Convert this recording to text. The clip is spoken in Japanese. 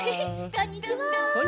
こんにちは！